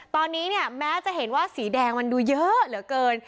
ตอนนี้เนี่ยแม้จะเห็นว่าสีแดงมันดูเยอะเหลือเกิน